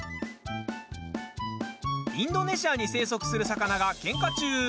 インドネシアに生息する魚がけんか中。